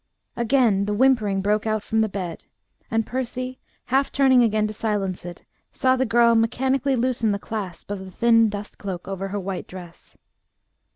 Again the whimpering broke out from the bed; and Percy, half turning again to silence it, saw the girl mechanically loosen the clasp of the thin dust cloak over her white dress.